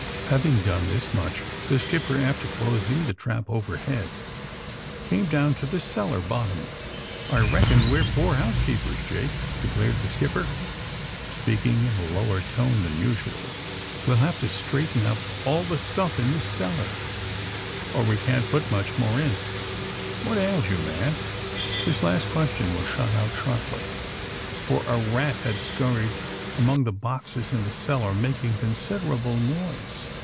Having done this much the skipper, after clos ing the trap overhead, came down to the cellar bottom. AND THE SMUGGLEES 83 I reckon we^re poor housekeepers, Jake," declared the skipper, speaking in a lower tone than usual. We'll have to straighten up all the stuff in this cellar, or we can't put much more in. What ails you, manf'^ This last question was shot out sharply, for a rat had scurried among the boxes in the cellar, making considerable noise.